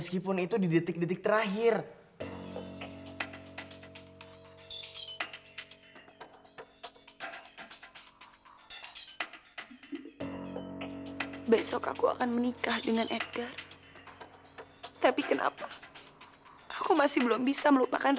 aku harus menemui rama sekarang